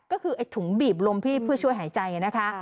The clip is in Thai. ก็คือไอ้ถุงบีบลมพี่เพื่อช่วยหายใจนะคะ